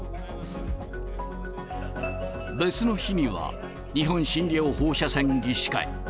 別の日には、日本診療放射線技師会。